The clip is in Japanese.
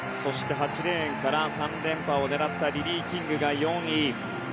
８レーンから３連覇を狙ったリリー・キングが４位。